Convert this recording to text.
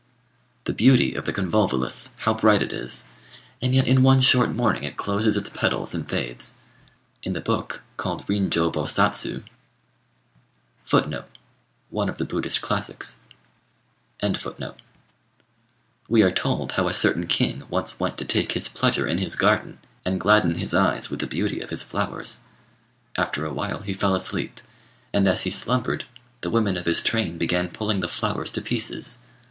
The beauty of the convolvulus, how bright it is! and yet in one short morning it closes its petals and fades. In the book called Rin Jo Bo Satsu we are told how a certain king once went to take his pleasure in his garden, and gladden his eyes with the beauty of his flowers. After a while he fell asleep; and as he slumbered, the women of his train began pulling the flowers to pieces.